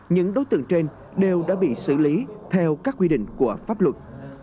những đối tượng trên đều đã bị xử lý theo các quy định của pháp luật